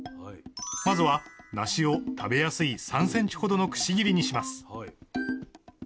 まずはなしを食べやすい３ｃｍほどのくし切りにします。